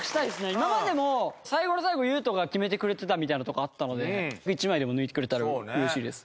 今までも最後の最後優斗が決めてくれてたみたいなとこあったので１枚でも抜いてくれたら嬉しいです。